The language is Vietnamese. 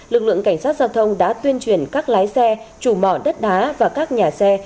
lực lượng cảnh sát giao thông đã tuyên truyền các lái xe chủ mỏ đất đá và các nhà xe